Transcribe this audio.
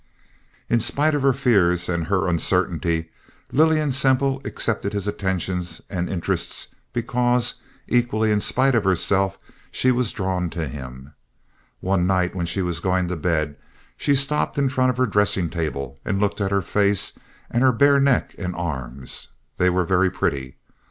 In spite of her fears and her uncertainty, Lillian Semple accepted his attentions and interest because, equally in spite of herself, she was drawn to him. One night, when she was going to bed, she stopped in front of her dressing table and looked at her face and her bare neck and arms. They were very pretty.